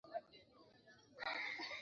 Uchafu kwenye maboma ya mifugo